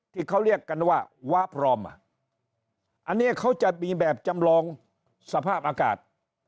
ที่เขาเรียกกันว่าวะพร้อมอ่ะอันนี้เขาจะมีแบบจำลองสภาพอากาศ